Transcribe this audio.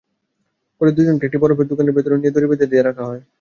পরে দুজনকে একটি বরফের দোকানের ভেতরে নিয়ে দড়ি দিয়ে বেঁধে রাখা হয়।